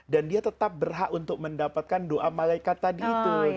dan dia tetap berhak untuk mendapatkan doa malaikat tadi itu